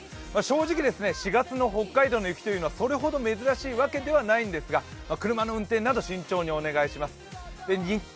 正直４月の北海道の雪はそれほど珍しいわけではないんですが、車の運転など慎重にお願いします。